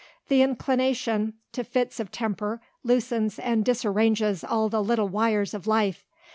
The inclination to fits of temper loosens and disarranges all the little wires of life.